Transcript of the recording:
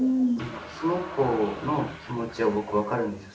その子の気持ちは僕分かるんですよ